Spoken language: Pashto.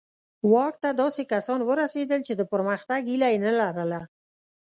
واک ته داسې کسان ورسېدل چې د پرمختګ هیله یې نه لرله.